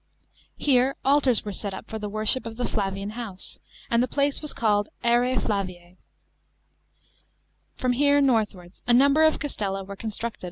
Here altars were set up for the worship of the Flavian house, and the place was called Arse Flavice. From here northwards a number of castella wore constructed